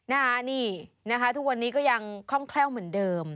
นี่นะคะทุกวันนี้ก็ยังคล่องแคล่วเหมือนเดิม